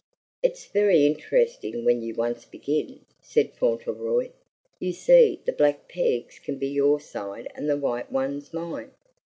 "It's very interesting when you once begin," said Fauntleroy. "You see, the black pegs can be your side and the white ones mine.